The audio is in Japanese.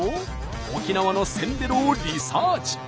沖縄のせんべろをリサーチ！